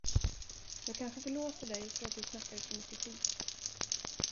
Jag kanske förlåter dig för att du snackade så mycket skit.